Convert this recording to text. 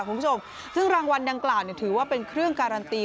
คุณผู้ชมซึ่งรางวัลดังกล่าวถือว่าเป็นเครื่องการันตี